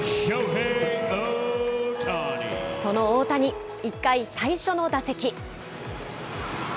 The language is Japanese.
その大谷、１回、最初の打席。